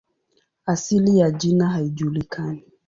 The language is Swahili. Asili ya jina haijulikani.